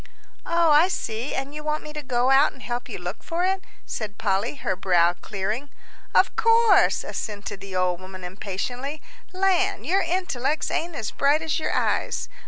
"Oh, I see; and you want me to go out and help you look for it," said Polly, her brow clearing. "Of course," assented the old woman, impatiently. "Land, your intellects ain't as bright as your eyes.